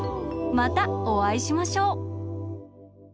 またおあいしましょう。